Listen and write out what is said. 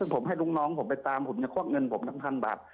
ผมให้ลุงน้องผมไปตามผมจะคว่างเงินผม๕๐๐๐บาท